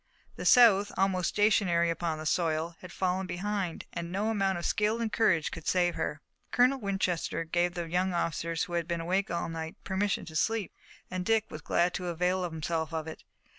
The South, almost stationary upon the soil, had fallen behind, and no amount of skill and courage could save her. Colonel Winchester gave the young officers who had been awake all night permission to sleep, and Dick was glad to avail himself of it.